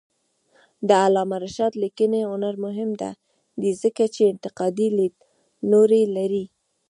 د علامه رشاد لیکنی هنر مهم دی ځکه چې انتقادي لیدلوری لري.